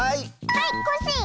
はいコッシー！